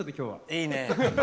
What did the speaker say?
いいね！